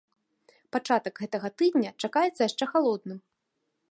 Пачатак гэтага тыдня чакаецца яшчэ халодным.